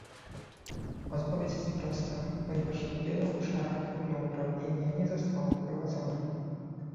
Odpowiedź jest prosta, ponieważ w wielu obszarach równouprawnienie nie zostało wprowadzone